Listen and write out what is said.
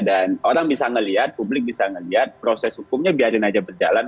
dan orang bisa melihat publik bisa melihat proses hukumnya biarkan saja berjalan